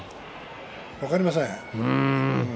分かりません。